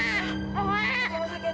jika dia luar mana